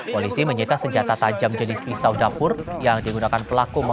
polisi menyita senjata tajam jenis pisau dapur yang digunakan pelaku